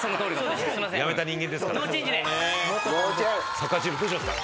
サッカーチームどうしますか？